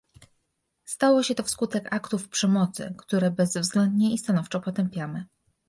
Stało się to wskutek aktów przemocy, które bezwzględnie i stanowczo potępiamy